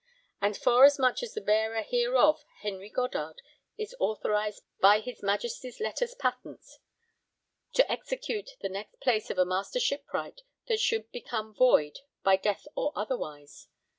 And forasmuch as the bearer hereof Henry Goddard is authorised by his Majesty's letters patents to execute the next place of a Master Shipwright that should become void by death or otherwise.